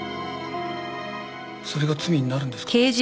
それが罪になるんですか？